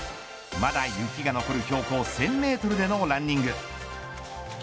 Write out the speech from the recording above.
まだ雪が残る標高１０００メートルでのランニング。